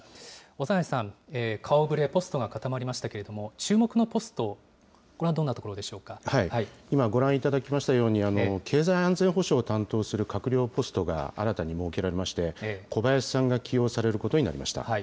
長内さん、顔ぶれ、ポストが固まりましたけれども、注目のポスト、今ご覧いただきましたように、経済安全保障を担当する閣僚ポストが新たに設けられまして、小林さんが起用されることになりました。